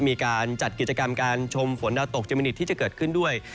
มีการจัดกิจกรรมการชมฝนดาวตกเจมมินิตที่จะเกิดขึ้นด้วย